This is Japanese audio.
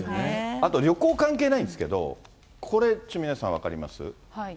あと旅行関係ないんですけど、これ皆さん、分かります？